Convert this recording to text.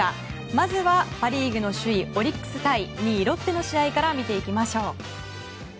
まずはパ・リーグの首位オリックス対２位、ロッテの試合から見ていきましょう。